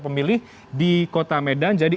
pemilih di kota medan jadi